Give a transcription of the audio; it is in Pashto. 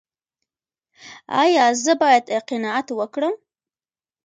ایا زه باید قناعت وکړم؟